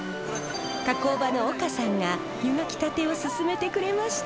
加工場の岡さんが湯がきたてをすすめてくれました。